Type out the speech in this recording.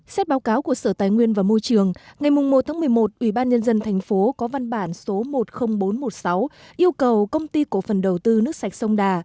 xét báo cáo của sở tài nguyên và môi trường ngày một một mươi một ubnd tp có văn bản số một mươi nghìn bốn trăm một mươi sáu yêu cầu công ty cổ phần đầu tư nước sạch sông đà